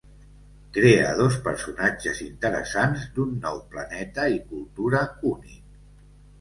Crea dos personatges interessants d’un nou planeta i cultura únic.